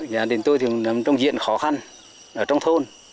gia đình tôi thì nằm trong diện khó khăn ở trong thôn